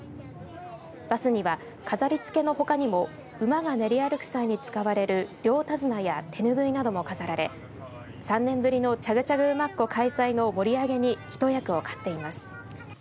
バスには飾りつけのほかにも馬が練り歩く際に使われる両手綱や手ぬぐいなども飾られ３年ぶりのチャグチャグ馬コの開催の盛り上げに一役を買っています。